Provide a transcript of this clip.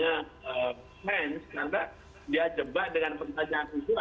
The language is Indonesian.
karena dia jebak dengan pencantik